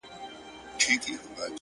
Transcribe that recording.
تا خو د خپل وجود زکات کله هم ونه ايستی،